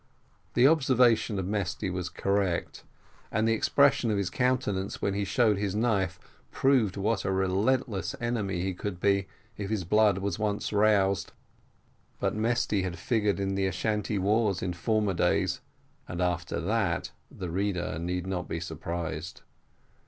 The observation of Mesty was correct, and the expression of his countenance when he showed his knife proved what a relentless enemy he could be, if his blood was once roused but Mesty had figured in the Ashantee wars in former days, and after that the reader need not be surprised.